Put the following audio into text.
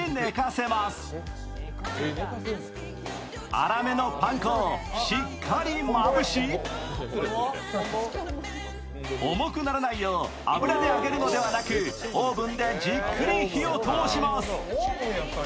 粗めのパン粉をしっかりまぶし重くならないよう、油で揚げるのではなくオーブンでじっくり火を通します。